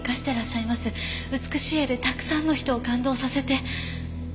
美しい絵でたくさんの人を感動させて。